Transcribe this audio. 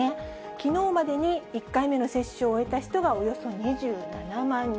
きのうまでに１回目の接種を終えた人がおよそ２７万人。